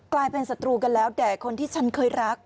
กลายเป็นศัตรูกันแล้วแด่คนที่ฉันเคยรัก